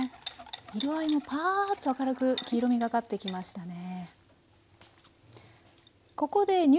色合いもパァーッと明るく黄色みがかってきましたね。